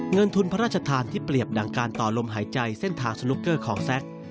เงินทุนพระราชทานที่เปรียบดังการต่อลมหายใจเส้นทางสนุกเกอร์ของแซค